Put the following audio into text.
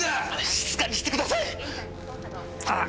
静かにしてください！